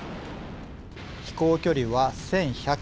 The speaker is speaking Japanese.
飛行距離は、１１００キロ。